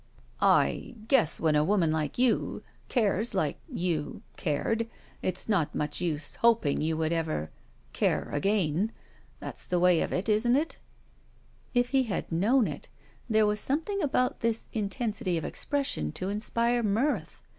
"I — guess when a woman like you — cares like — you — cared, it's not much use hoping you would 2 II SHE WALKS IN BEAUTY ever — care agaiiL That's about the way of it, isn't it?" If he had known it, there was something about his intensity of expression to inspire mirth.